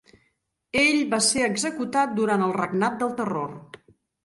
Ell va ser executat durant el Regnat del Terror.